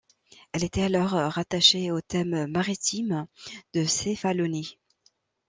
Elle était alors rattachée au thème maritime de Céphalonie.